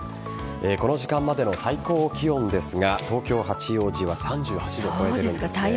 この時間までの最高気温ですが東京・八王子は３８度を超えてるんです。